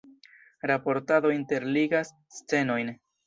Raportado interligas scenojn.